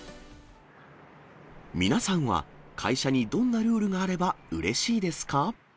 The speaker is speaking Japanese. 皆さんは、会社にどんなルールがあればうれしいですか？